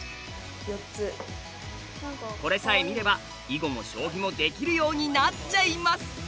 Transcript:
これさえ見れば囲碁も将棋もできるようになっちゃいます！